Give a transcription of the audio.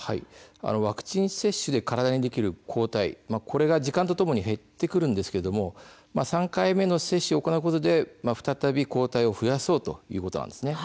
ワクチン接種で体にできる抗体は時間とともに減ってくるんですが３回目の接種を行うことで再び抗体を増やそうということなんです。